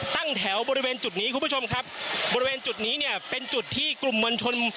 ตั้งแถวบริเวณจุดนี้คุณผู้ชมครับบริเวณจุดนี้เนี่ยเป็นจุดที่กลุ่มมวลชน